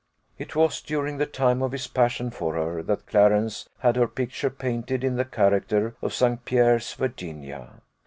It was during the time of his passion for her that Clarence had her picture painted in the character of St. Pierre's Virginia.